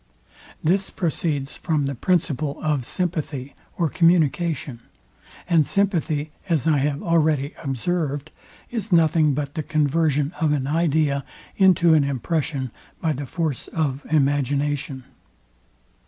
This proceeds from the principle of sympathy or communication; and sympathy, as I have already observed, is nothing but the conversion of an idea into an impression by the force of imagination.